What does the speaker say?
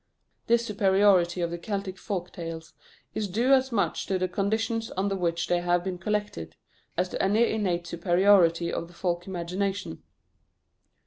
This superiority of the Celtic folk tales is due as much to the conditions under which they have been collected, as to any innate superiority of the folk imagination.